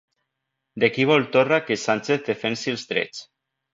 De qui vol Torra que Sánchez defensi els drets?